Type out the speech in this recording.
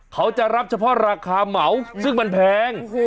เขาจะรับเฉพาะราคาเหมาซึ่งมันแพง